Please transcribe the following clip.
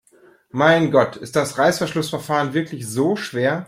Mein Gott, ist das Reißverschlussverfahren wirklich so schwer?